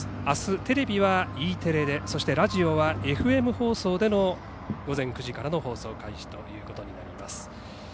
あす、テレビはＥテレでラジオはＦＭ放送での午前９時からの放送開始となります。